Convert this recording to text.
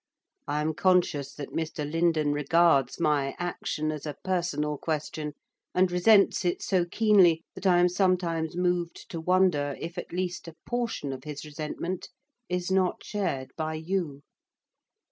I am conscious that Mr Lindon regards my action as a personal question, and resents it so keenly, that I am sometimes moved to wonder if at least a portion of his resentment is not shared by you.